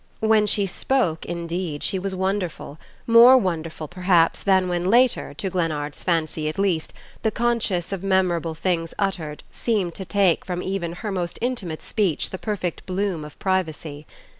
When she spoke, indeed, she was wonderful, more wonderful, perhaps, than when later, to Glennard's fancy at least, the consciousness of memorable things uttered seemed to take from even her most intimate speech the perfect bloom of privacy.